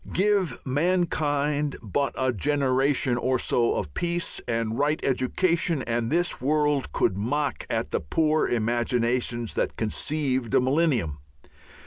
Give mankind but a generation or so of peace and right education and this world could mock at the poor imaginations that conceived a millennium.